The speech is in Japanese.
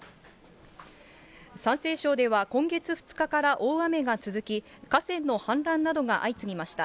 山西省では今月２日から大雨が続き、河川の氾濫などが相次ぎました。